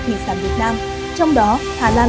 thị sản việt nam trong đó hà lan